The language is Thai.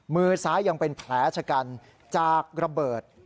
มือซ้ายยังเป็นแผลชะกันจากระเบิด